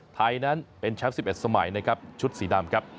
ไทยนั้นเป็นแชมป์๑๑สมัยนะครับชุดสีดำครับ